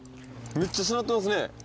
めっちゃしなってますね。